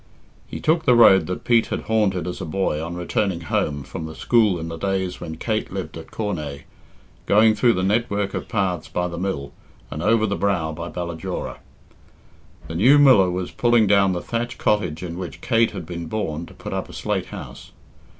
He took the road that Pete had haunted as a boy on returning home from school in the days when Kate lived at Cornaa, going through the network of paths by the mill, and over the brow by Ballajora. The new miller was pulling down the thatched cottage in which Kate had been born to put up a slate house.